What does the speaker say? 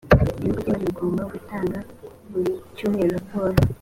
ibigo by’imari bigomba gutanga buri cyumweru raporo